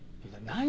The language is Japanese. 何？